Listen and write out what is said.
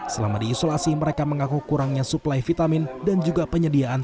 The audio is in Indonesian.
selama diisolasi mereka mengaku kurangnya suplai vitamin dan juga penyediaan